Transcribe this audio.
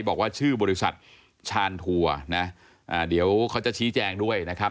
บอกว่าชื่อบริษัทชานทัวร์นะเดี๋ยวเขาจะชี้แจงด้วยนะครับ